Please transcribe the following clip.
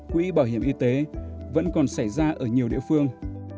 quỹ bảo hiểm y tế vẫn còn xảy ra ở nhiều địa phương